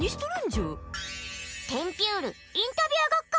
テンピュールインタビューごっこ！